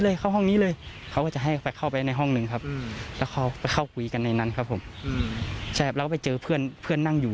แล้วไปเจอเพื่อนนั่งอยู่